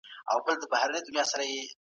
ایا افغان سوداګر کاغذي بادام اخلي؟